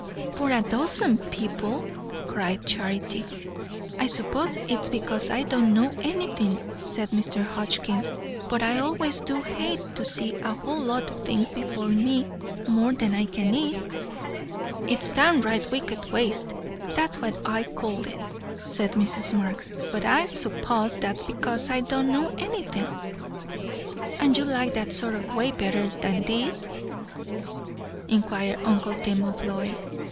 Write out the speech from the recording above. "For a dozen people!" cried Charity. "I suppose it's because I don't know anythin'," said Mr. Hotchkiss, "but I always du hate to see a whole lot o' things before me more'n I can eat!" "It's downright wicked waste, that's what I call it," said Mrs. Marx; "but I s'pose that's because I don't know anythin'." "And you like that sort o' way better 'n this 'n?" inquired uncle Tim of Lois.